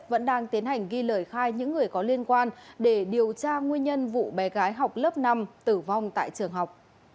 vẫn đang tiến hành ghi lời khai những người có liên quan để điều tra nguyên nhân vụ bé gái học lớp năm tử vong tại trường học